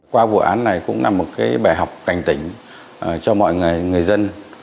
qua vụ án này cũng là một bài học cảnh tỉnh cho mọi người dân